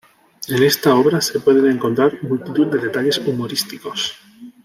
En esta obra se pueden encontrar multitud de detalles humorísticos.